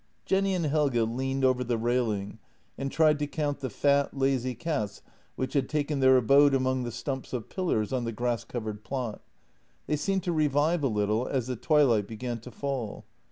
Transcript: Jenny and Helge leaned over the railing and tried to count the fat, lazy cats which had taken their abode among the stumps of pillars on the grass covered plot. They seemed to revive a little as the twilight began to fall.